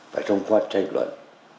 phải thông qua tranh luận